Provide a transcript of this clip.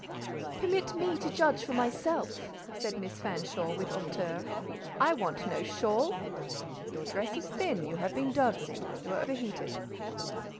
"Permit me to judge for myself," said Miss Fanshawe, with hauteur. "I want no shawl." "Your dress is thin, you have been dancing, you are heated."